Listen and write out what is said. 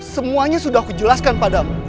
semuanya sudah aku jelaskan padamu